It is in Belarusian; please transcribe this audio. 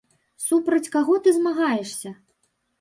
Супроць каго ты змагаешся?